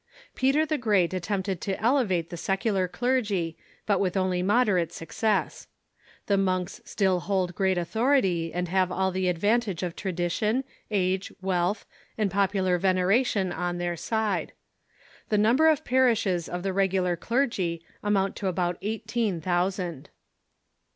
Peter the Great attempted to elevate the secular clergy, but with only moderate success. The monks still hold great authority, and have all the advantage of tradi tion, age, wealth, and popular veneration on their side. The number of parishes of the regular clergy amount to about eighteen thousand.